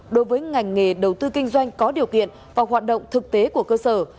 đối với ngành nghề đầu tư kinh doanh có điều kiện và hoạt động thực tế của cơ sở